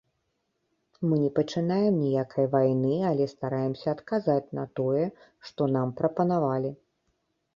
Мы не пачынаем ніякай вайны, але стараемся адказаць на тое, што нам прапанавалі.